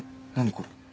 これ。